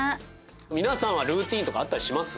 皆さんはルーティンとかあったりします？